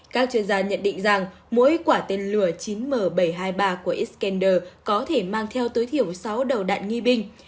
các chuyên gia nhận định rằng mỗi quả tên lửa chín m bảy trăm hai mươi ba của ecender có thể mang theo tối thiểu sáu đầu đạn nghi binh